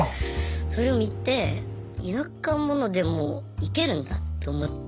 それを見て田舎者でもイケるんだと思って。